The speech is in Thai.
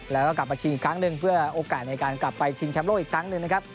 แล้วก็กลับมาชิงอีกครั้งหนึ่งเพื่อโอกาสในการกลับไปชิงแชมป์โลกอีกครั้งหนึ่งนะครับ